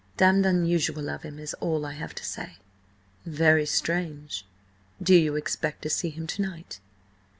Damned unusual of him is all I have to say." "Very strange. Do you expect to see him to night?"